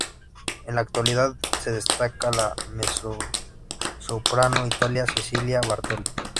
En la actualidad se destaca la mezzosoprano italiana Cecilia Bartoli.